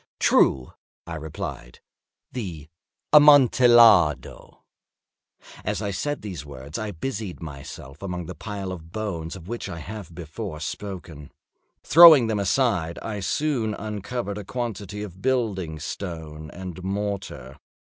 "True," I replied; "the Amontillado." As I said these words I busied myself among the pile of bones of which I have before spoken. Throwing them aside, I soon uncovered a quantity of building stone and mortar.